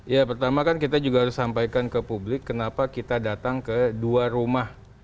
ya pertama kan kita juga harus sampaikan ke publik kenapa kita datang ke dua rumah